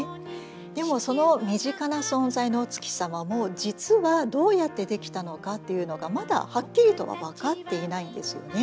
でもその身近な存在のお月様も実はどうやってできたのかっていうのがまだはっきりとは分かっていないんですよね。